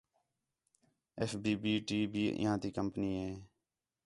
ایف بی-بی ٹی بھی اِنہیاں تی کمپنی ہے